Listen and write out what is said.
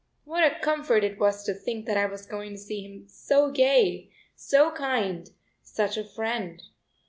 What a comfort it was to think that I was going to see him so gay, so kind, such a friend!